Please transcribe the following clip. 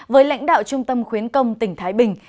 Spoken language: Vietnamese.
với lãnh đạo trung tâm khuyến công tỉnh thái bình